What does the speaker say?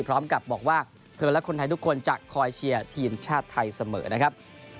พร้อมกับบอกว่าเธอและคนไทยทุกคนจะคอยเชียร์ทีมชาติไทยเสมอนะครับ